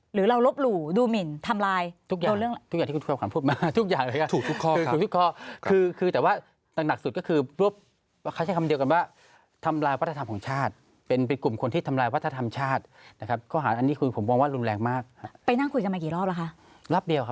ให้สัมภาษณ์สื่อไว้บอกว่าต้องมีการกลับมาตัดต่อ